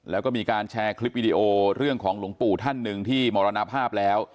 แล้วก็มีการแชร์คลิปวิดีโอเรื่องของหลวงปู่ท่านหนึ่งที่มรณภาพแล้ว